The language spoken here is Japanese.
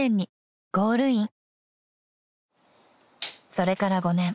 ［それから５年。